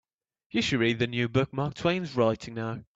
You should read the new book Mark Twain's writing now.